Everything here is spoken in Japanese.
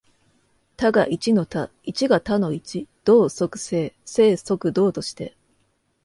多が一の多、一が多の一、動即静、静即動として、